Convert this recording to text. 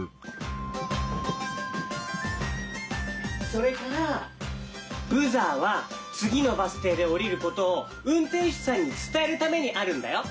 それからブザーはつぎのバスていでおりることをうんてんしゅさんにつたえるためにあるんだよ。